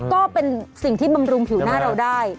ก็เป็นสิ่งที่บำรุงผิวหน้าเราได้